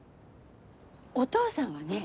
お父さんはね